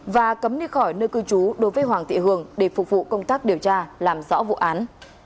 và cấm đi khỏi nơi cư trú đối với hoàng thị hường để phục vụ công tác điều tra làm rõ vụ án